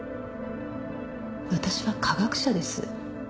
私は科学者です。